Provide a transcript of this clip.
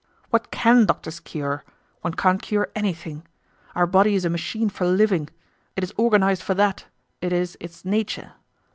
What can doctors cure? One can't cure anything. Our body is a machine for living. It is organized for that, it is its nature.